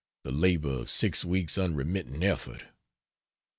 the labor of 6 weeks' unremitting effort.